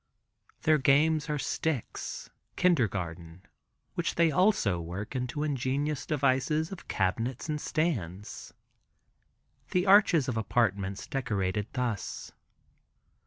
Their games are sticks (kindergarten) which they also work into ingenious devises of cabinets and stands. The arches of apartments decorated thus.